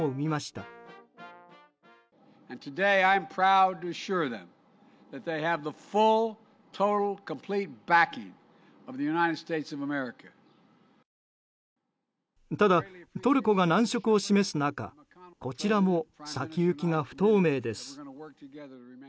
ただトルコが難色を示す中こちらも先行きが不透明です。